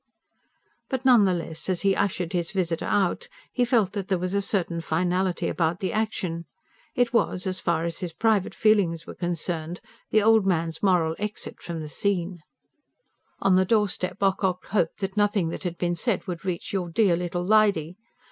But none the less as he ushered his visitor out, he felt that there was a certain finality about the action. It was as far as his private feelings were concerned the old man's moral exit from the scene. On the doorstep Ocock hoped that nothing that had been said would reach "your dear little lady."